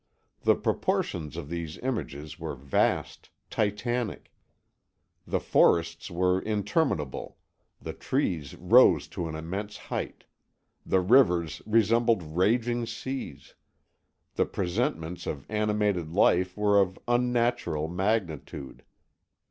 The proportions of these images were vast, titanic. The forests were interminable, the trees rose to an immense height, the rivers resembled raging seas, the presentments of animated life were of unnatural magnitude.